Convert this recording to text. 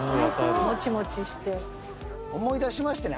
もちもちして。